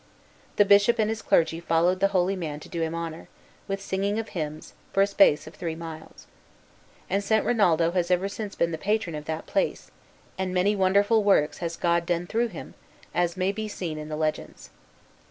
The Bishop and his clergy followed the holy man to do him honor, with singing of hymns, for a space of three miles. And St. Rinaldo has ever since been the patron of that place, and many wonderful works has God done through him, as may be seen in the legends.